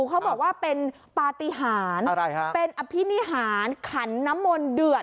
เขาบอกว่าเป็นปฏิหารอะไรฮะเป็นอภินิหารขันน้ำมนต์เดือด